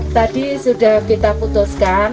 tadi sudah kita putuskan